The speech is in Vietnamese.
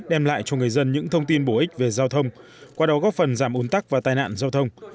đem lại cho người dân những thông tin bổ ích về giao thông qua đó góp phần giảm ốn tắc và tai nạn giao thông